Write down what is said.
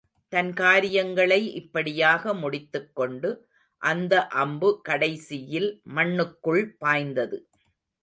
தன் காரியங்களை இப்படியாக முடித்துக்கொண்டு அந்த அம்பு கடைசியில் மண்ணுக்குள் பாய்ந்தது.